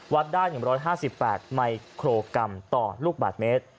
วัดด้านอย่าง๑๕๘ไมโครกรัมต่อลูกบาทเมตร